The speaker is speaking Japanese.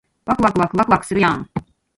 わくわくわくわくわくするやーん